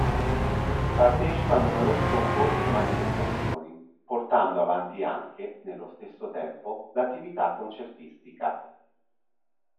Partecipa a numerosi concorsi e manifestazioni, portando avanti anche, nello stesso tempo, l'attività concertistica.